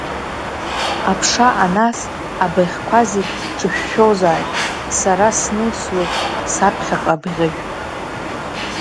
Аԥша анас, абыӷьқәа зегь ҿышәшәозааит, сара снылсуеит саԥхьаҟа абӷьыжә.